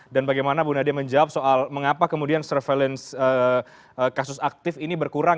dan bagaimana bu nady menjawab soal mengapa kemudian surveillance kasus aktif ini berkurang